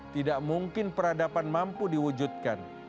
tidak mungkin peradaban mampu diwujudkan